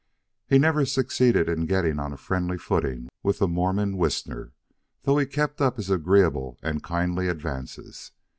He never succeeded in getting on a friendly footing with the Mormon Whisner, though he kept up his agreeable and kindly advances.